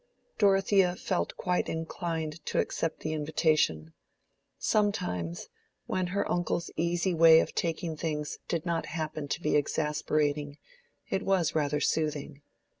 Dorothea felt quite inclined to accept the invitation. Some times, when her uncle's easy way of taking things did not happen to be exasperating, it was rather soothing.